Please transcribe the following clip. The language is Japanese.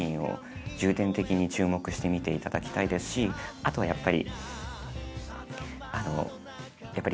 あとはやっぱり。